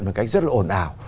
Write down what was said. một cách rất là ổn ảo